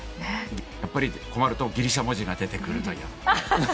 やっぱり困るとギリシャ文字が出てくるという。